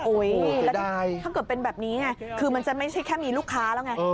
แล้วถ้าเกิดเป็นแบบนี้ไงคือมันจะไม่ใช่แค่มีลูกค้าแล้วไง